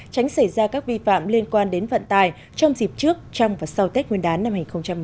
tránh xảy ra các vi phạm liên quan đến vận tài trong dịp trước trong và sau tết nguyên đán năm hai nghìn hai mươi